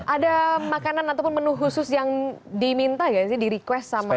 ada makanan ataupun menu khusus yang diminta gak sih di request sama